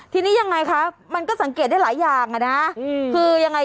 ทีนี้ยังไงคะมันก็สังเกตได้หลายอย่างอ่ะนะคือยังไง